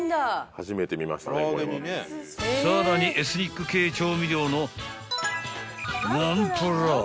［さらにエスニック系調味料のナンプラー！］